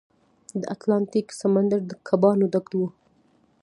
د اتلانتیک سمندر د کبانو ډک و.